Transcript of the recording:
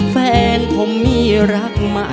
แฟนผมมีรักใหม่